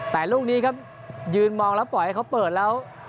แต่ลูกนี้ครับยืนมองแล้วปล่อยให้เขาเปิดแล้ว